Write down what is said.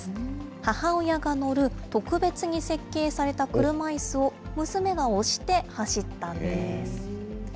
母親が乗る特別に設計された車いすを、娘が押して走ったんです。